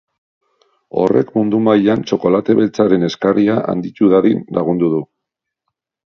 Horrek mundu mailan txokolate beltzaren eskaria handitu dadin lagundu du.